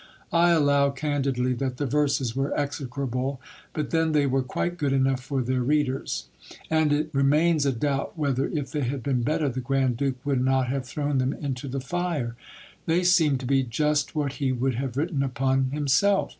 I allow candidly that the verses were execrable ; but then they were quite good enough for their readers ; and it re mains a doubt whether, if they had been better, the grand duke would not have thrown them into the fire. They seemed to be just what he would have writ ten upon himself.